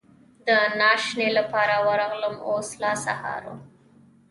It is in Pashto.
د ناشتې لپاره ورغلم، اوس لا سهار و.